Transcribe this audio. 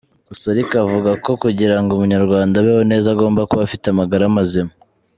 Gusa ariko avuga ko kugira ngo Umunyarwanda abeho neza agomba kuba afite amagara mazima.